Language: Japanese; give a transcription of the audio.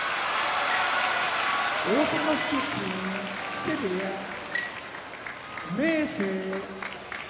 大阪府出身木瀬部屋明生